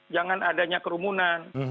jangan adanya kerumunan